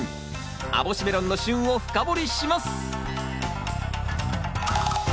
網干メロンの旬を深掘りします！